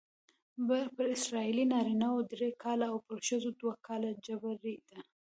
پر اسرائیلي نارینه وو درې کاله او پر ښځو دوه کاله جبری ده.